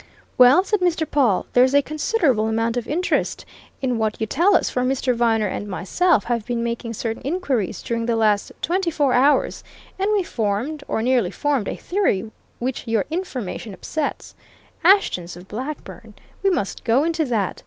"Well," said Mr. Pawle, "there's a considerable amount of interest in what you tell us, for Mr. Viner and myself have been making certain inquiries during the last twenty four hours, and we formed, or nearly formed, a theory which your information upsets. Ashtons of Blackburn? We must go into that.